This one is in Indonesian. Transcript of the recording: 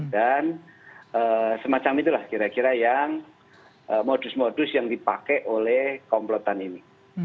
dan semacam itulah kira kira yang modus modus yang dipakai oleh komplotan ini